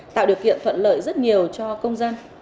tạo điều kiện thuận lợi rất nhiều cho công dân